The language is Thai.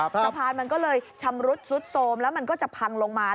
สะพานมันก็เลยชำรุดซุดโทรมแล้วมันก็จะพังลงมา